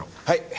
はい！